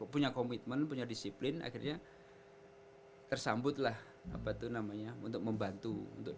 punya komitmen punya disiplin akhirnya tersambut lah apa itu namanya untuk membantu